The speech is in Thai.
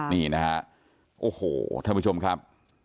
นี่นะฮะโอ้โหท่านผู้ชมครับ